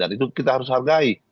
dan itu kita harus hargai